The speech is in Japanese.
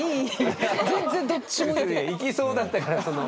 いきそうだったからその。